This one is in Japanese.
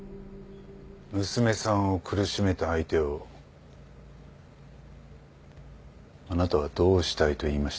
娘さんを苦しめた相手をあなたはどうしたいと言いました？